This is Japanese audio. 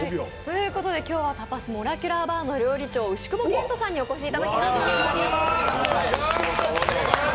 今日はタパスモラキュラーバーの料理長、牛窪健人さんにお越しいただきました。